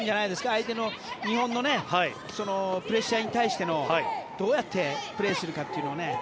相手の日本のプレッシャーに対してのどうやってプレーするかというのをね。